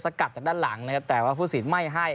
กัดจากด้านหลังนะครับแต่ว่าผู้สินไม่ให้